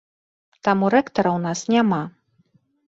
Таму рэктара ў нас няма.